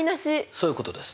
そういうことです。